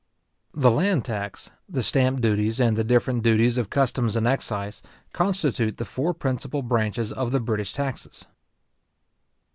The land tax, the stamp duties, and the different duties of customs and excise, constitute the four principal branches of the British taxes.